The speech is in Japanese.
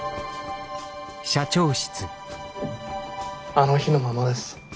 あの日のままです。